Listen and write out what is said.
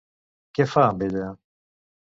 Què fa amb ella?